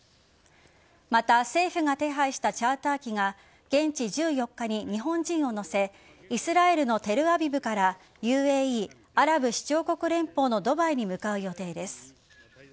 また、政府が手配したチャーター機が現地１４日に日本人を乗せイスラエルのテルアビブからＵＡＥ＝アラブ首長国連邦のドバイに向かう予定です。